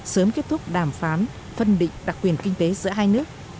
sớm kết thúc đàm phán phân định đặc quyền kinh tế giữa hai nước